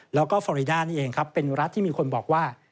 แล้วก็ฟอริดานี่เองครับเป็นรัฐที่มีคนบอกว่า